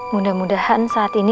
mudah mudahan saat ini